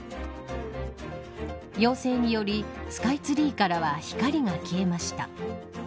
要請により、スカイツリーからは光が消えました。